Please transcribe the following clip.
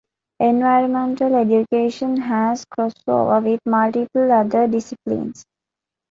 Environmental education has crossover with multiple other disciplines.